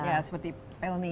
ya seperti pelni